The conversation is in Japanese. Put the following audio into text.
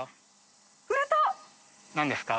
何ですか？